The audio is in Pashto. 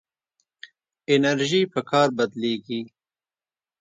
انرژي په کار بدلېږي.